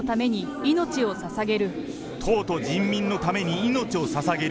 党と人民のために命をささげる。